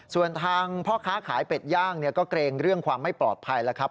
ส่วนทางพ่อค้าขายเป็ดย่างก็เกรงเรื่องความไม่ปลอดภัยแล้วครับ